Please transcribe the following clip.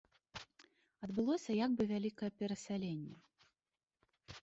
Адбылося як бы вялікае перасяленне.